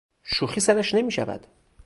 شوخی سرش نمیشود.